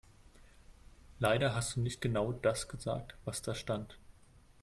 Leider hast du nicht genau das gesagt, was da stand.